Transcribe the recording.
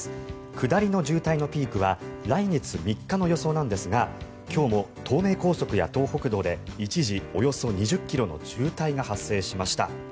下りの渋滞のピークは来月３日の予想なんですが今日も東名高速や東北道で一時、およそ２０ｋｍの渋滞が発生しました。